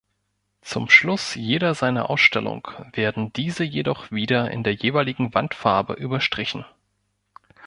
Zum Schluss jeder seiner Ausstellung werden diese jedoch wieder in der jeweiligen Wandfarbe überstrichen.